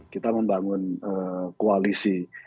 kita membangun koalisi